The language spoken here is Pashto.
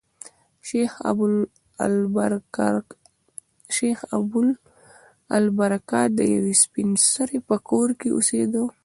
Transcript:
شیخ ابوالبرکات د یوې سپین سري په کور کې اوسېدی.